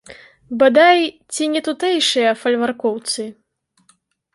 Бадай, ці нетутэйшыя фальваркоўцы.